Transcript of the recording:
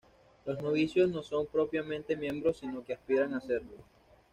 Los "novicios" no son propiamente miembros sino que aspiran a serlo.